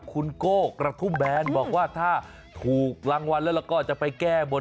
คุณโก้กระทุ่มแบนบอกว่าถ้าถูกรางวัลแล้วก็จะไปแก้บน